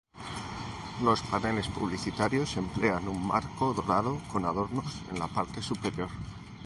Los paneles publicitarios emplean un marco dorado con adornos en la parte superior.